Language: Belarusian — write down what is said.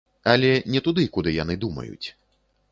Але не туды, куды яны думаюць.